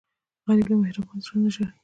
غریب له مهربان زړه نه ژاړي